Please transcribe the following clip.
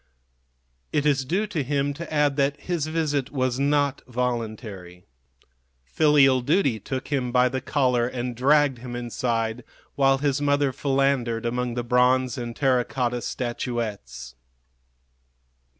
It is due to him to add that his visit was not voluntary. Filial duty took him by the collar and dragged him inside, while his mother philandered among the bronze and terra cotta statuettes.